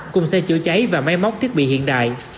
cùng xe chữa cháy và máy móc thiết bị hiện đại